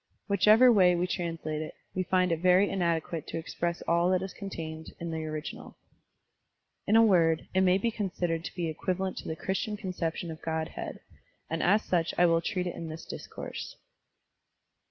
Whichever way we translate it, we find it very inadequate to express all that is contained in the original. In a word, it may be considered to be equivalent to the Christian conception of Godhead, and as such I will treat it in this discourse.